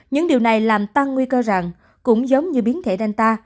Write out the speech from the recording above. những điều này làm tăng nguy cơ rằng cũng giống như biến thể danta